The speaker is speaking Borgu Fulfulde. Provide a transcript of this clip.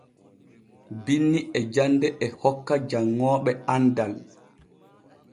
Binni e jande e hokka janŋooɓe andal.